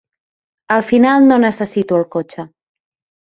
Al final no necessito el cotxe.